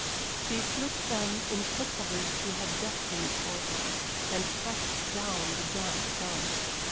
She slipped them into the covers she had destined for them and pressed down the damp gum.